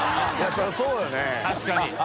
そりゃあそうよね。